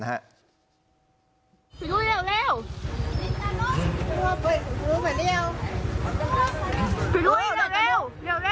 อ้าวเดี๋ยว